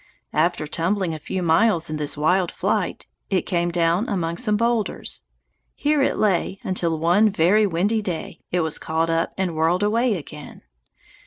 After tumbling a few miles in this wild flight, it came down among some boulders. Here it lay until, one very windy day, it was caught up and whirled away again.